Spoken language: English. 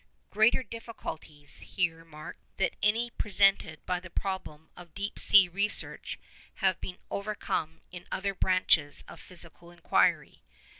'Greater difficulties,' he remarked, 'than any presented by the problem of deep sea research have been overcome in other branches of physical inquiry.